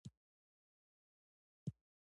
اوس باید د پانګوال لپاره شپږ ساعته کار وکړي